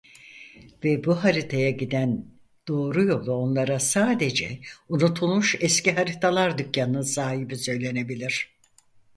Ve bu haritaya giden doğru yolu onlara sadece Unutulmuş Eski Haritalar Dükkanı'nın sahibi söylenebilir…